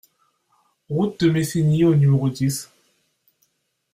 Route de Messigny au numéro dix